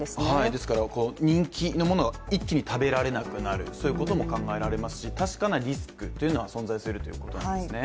ですから人気のものが一気に食べられなくなる、そういうことも考えられますし確かなリスクというのは存在するということなんですね。